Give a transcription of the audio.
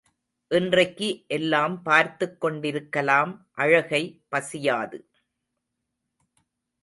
இன்றைக்கு எல்லாம் பார்த்துக் கொண்டிருக்கலாம் அழகை பசியாது.